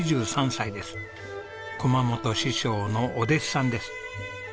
駒本師匠のお弟子さんです。